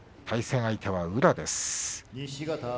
対戦相手は宇良です。